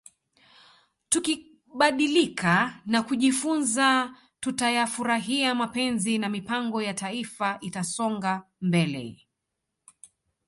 Tukibadilika na kujifunza tutayafurahia mapenzi na mipango ya Taifa itasonga mbele